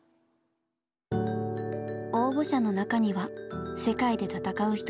応募者の中には世界で闘う人もいました。